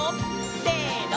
せの！